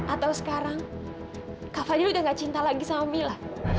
atau sekarang kak fadil udah enggak cinta lagi sama mila